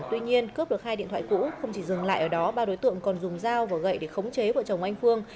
tuy nhiên cướp được hai điện thoại cũ không chỉ dừng lại ở đó ba đối tượng còn dùng dao và gậy để khống chế vợ chồng anh phương